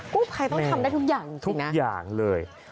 ผู้ภัยต้องทำได้ทุกอย่างทุกอย่างเลย